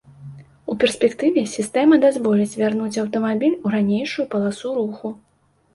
У перспектыве сістэма дазволіць вярнуць аўтамабіль у ранейшую паласу руху.